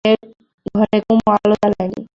ঘরে কুমু আলো জ্বালায় নি।